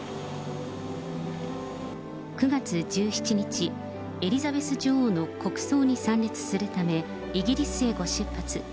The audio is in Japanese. ９月１７日、エリザベス女王の国葬に参列するため、イギリスへご出発。